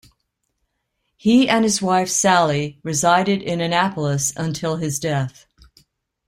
He and his wife, Sally, resided in Annapolis until his death.